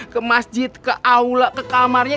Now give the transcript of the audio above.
ke masjid ke aula ke kamarnya